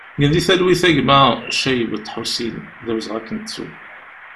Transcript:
Gen di talwit a gma Caybet Ḥusin, d awezɣi ad k-nettu!